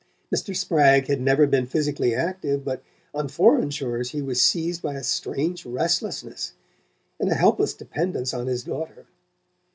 Mr. Spragg had never been physically active, but on foreign shores he was seized by a strange restlessness, and a helpless dependence on his daughter.